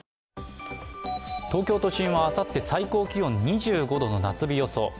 東京都心はあさって最高気温２５度の夏日予想。